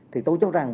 thì tôi cho rằng